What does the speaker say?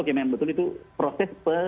oke memang betul itu proses